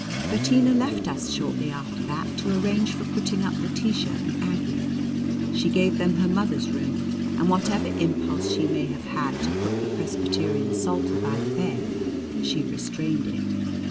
Bettina left us shortly after that to arrange for putting up Letitia and Aggie. She gave them her mother's room, and whatever impulse she may have had to put the Presbyterian Psalter by the bed, she restrained it.